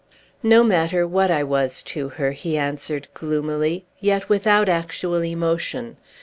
"No matter what I was to her," he answered gloomily, yet without actual emotion.